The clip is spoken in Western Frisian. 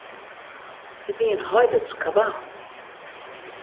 It wie in heidensk kabaal.